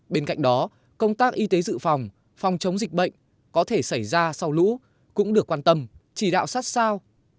bên cạnh đó công tác y tế dự phòng phòng chống dịch bệnh có thể xảy ra sau lũ cũng được quan tâm chỉ đạo sát sao